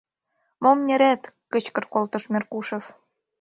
— Мом нерет! — кычкырал колтыш Меркушев.